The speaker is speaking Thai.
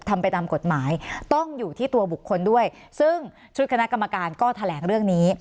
ทำไปตามกฎหมายต้องอยู่ที่ตัวบุคคลด้วยซึ่งชุดคณะกรรมการก็แถลงเรื่องนี้